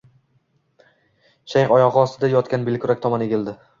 Shayx oyog`i ostida yotgan belkurak tomon egildi